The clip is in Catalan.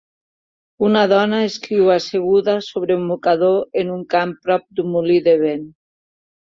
Una dona escriu asseguda sobre un mocador en un camp prop d'un molí de vent.